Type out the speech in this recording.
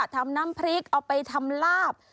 ทำน้ำพริกเอาไปทำลาบ